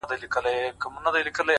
• زما یادیږي چي سپین ږیرو به ویله,